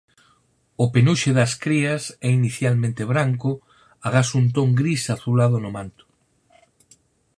O penuxe das crías é inicialmente branco agás un ton gris azulado no manto.